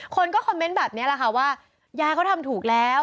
คนก็คอมเมนต์แบบนี้แหละค่ะว่ายายเขาทำถูกแล้ว